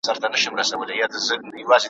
د نیلي د وجود ویني ایشېدلې ,